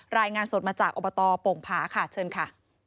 รายงานสดมาจากอบตโป่งผาค่ะเชิญค่ะ